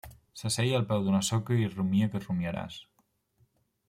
S'asseia al peu d'una soca, i rumia que rumiaràs.